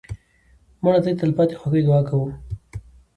مړه ته د تلپاتې خوښۍ دعا کوو